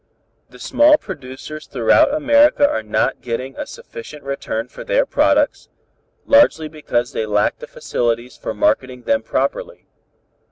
The small producers throughout America are not getting a sufficient return for their products, largely because they lack the facilities for marketing them properly.